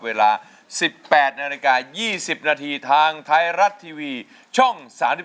เวลา๑๘นาฬิกา๒๐นาทีทางไทยรัฐทีวีช่อง๓๒